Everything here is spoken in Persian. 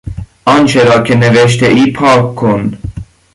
آنچه را که نوشتهای پاک کن.